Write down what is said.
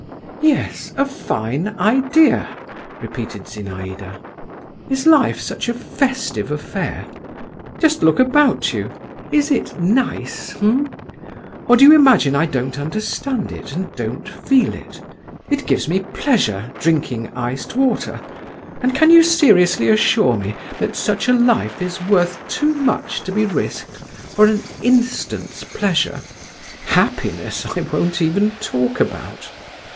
"Yes, a fine idea," repeated Zinaïda. "Is life such a festive affair? Just look about you…. Is it nice, eh? Or do you imagine I don't understand it, and don't feel it? It gives me pleasure—drinking iced water; and can you seriously assure me that such a life is worth too much to be risked for an instant's pleasure—happiness I won't even talk about."